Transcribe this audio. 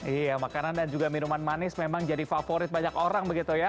iya makanan dan juga minuman manis memang jadi favorit banyak orang begitu ya